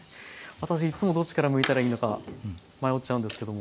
私いっつもどっちからむいたらいいのか迷っちゃうんですけども。